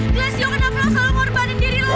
glassio kenapa lo selalu ngorbanin diri lo